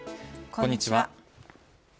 こんにちは。